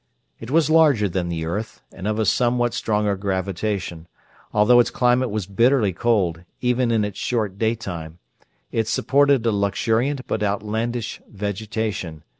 It was larger than the earth, and of a somewhat stronger gravitation. Although its climate was bitterly cold, even in its short daytime, it supported a luxuriant but outlandish vegetation.